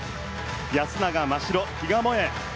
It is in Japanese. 安永真白、比嘉もえ。